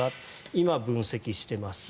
今、分析しています。